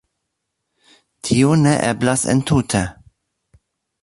Tio ne eblas entute.